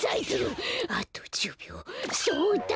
そうだ！